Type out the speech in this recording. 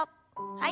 はい。